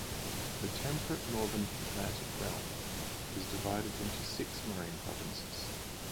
The Temperate Northern Atlantic realm is divided into six marine provinces.